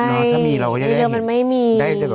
ใช่ในเรือมันไม่มี